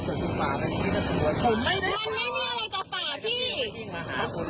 ก็ใช่เขาวิ่งมาห่วงเบช